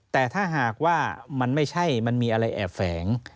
แต่ถ้าหากว่ามันไม่ใช่มันมีอะไรแอบแฝง